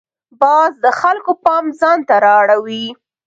باز د خلکو پام ځان ته را اړوي